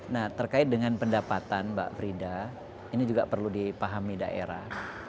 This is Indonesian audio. nah terkait dengan pendapatan mbak frida ini juga perlu dipahami daerah